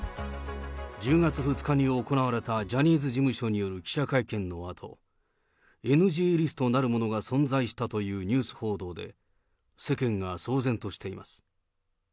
１０月２日に行われたジャニーズ事務所による記者会見のあと、ＮＧリストなるものが存在したというニュース報道で、世間が騒然としています。